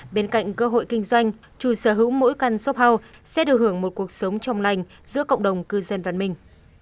bên cạnh cơ hội kinh doanh chủ sở hữu mỗi căn shop house sẽ được hưởng một cuộc sống trong lành giữa cộng đồng cư dân văn minh